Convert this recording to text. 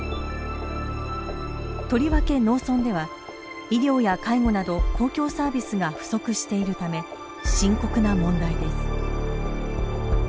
とりわけ農村では医療や介護など公共サービスが不足しているため深刻な問題です。